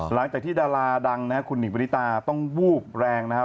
หลังจากที่ดาราดังนะฮะคุณหนิงบริตาต้องวูบแรงนะฮะ